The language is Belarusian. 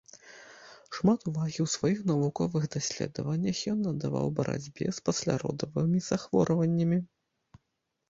Шмат увагі ў сваіх навуковых даследаваннях ён надаваў барацьбе з пасляродавымі захворваннямі.